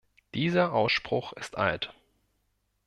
Dieser Ausspruch ist alt.